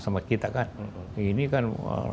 sama kita kan ini kan